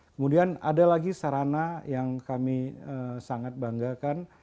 kemudian ada lagi sarana yang kami sangat banggakan